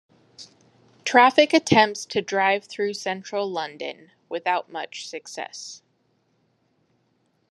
Traffic attempts to drive through Central London, without much success.